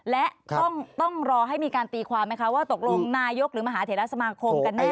และต้องรอให้มีการตีความไหมคะว่าตกลงนายกหรือมหาเถระสมาคมกันแน่